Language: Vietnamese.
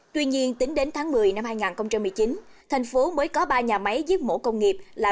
tuy nhiên tính đến tháng một mươi năm hai nghìn một mươi chín thành phố mới có ba nhà máy giết mổ công nghiệp là